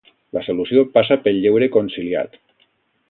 La solució passa pel lleure conciliat.